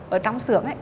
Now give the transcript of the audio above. ở trong xưởng ấy